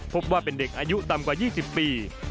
พบว่าเป็นเด็กอายุต่ำกว่า๒๐ปี